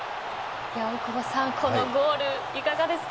大久保さん、このゴールいかがですか？